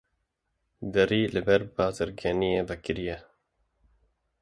Derî li ber bazirganiyê vekiriye.